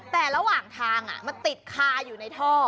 แต่ระหว่างทางมันติดคาอยู่ในท่อ